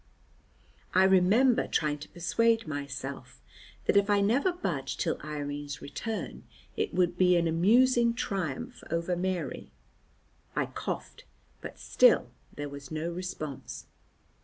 I remember trying to persuade myself that if I never budged till Irene's return, it would be an amusing triumph over Mary. I coughed, but still there was no response.